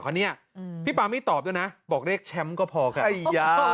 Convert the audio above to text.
คนนี้พี่ปามมี่ตอบด้วยนะบอกเลขแชมป์ก็พอค่ะ